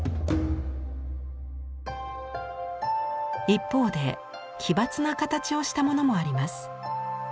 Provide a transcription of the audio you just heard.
一方で奇抜な形をしたものもあります。